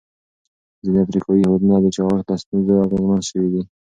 ځینې افریقایي هېوادونه د چاغښت له ستونزې اغېزمن شوي دي.